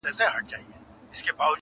خدای پاک دې رنځور هډونه وبښه زما ګرانې.